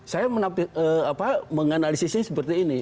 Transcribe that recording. saya menganalisisnya seperti ini